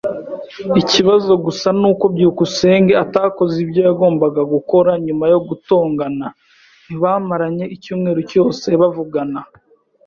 Ikibazo gusa ni uko byukusenge atakoze ibyo yagombaga gukora. Nyuma yo gutongana, ntibamaranye icyumweru cyose bavugana.